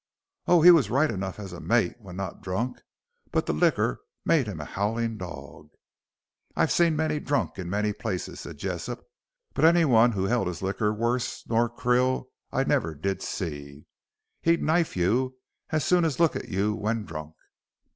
"Oh, he was right enough as a mate when not drunk; but the liquor made a howling dorg of him. I've seen many drunk in many places," said Jessop, "but anyone who held his liquor wuss nor Krill I never did see. He'd knife you as soon as look at you when drunk."